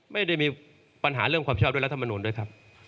ไม่ได้มีปัญหาเรื่องความชอบด้วยรัฐมนุนด้วยครับ